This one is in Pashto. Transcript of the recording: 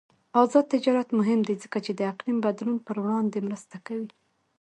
آزاد تجارت مهم دی ځکه چې د اقلیم بدلون پر وړاندې مرسته کوي.